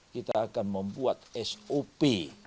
kita akan membuat sop